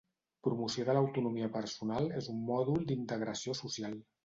Promoció de l'autonomia personal és un mòdul d'Integració Social